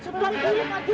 seperti ini pak tint